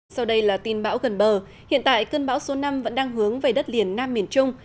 sau đây là tin bão gần bờ hiện tại cơn bão số năm vẫn đang hướng về đất liền nam miền trung